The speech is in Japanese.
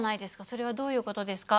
それはどういう事ですか？